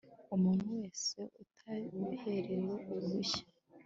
umuntu wese utabiherewe uruhushya